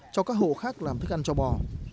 cho các hộ khác làm thức ăn cho bò